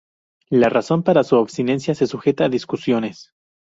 La razón para su abstinencia se sujeta a discusiones.